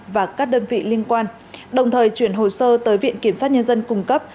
và các đơn vị liên quan đồng thời chuyển hồ sơ tới viện kiểm sát nhân dân cung cấp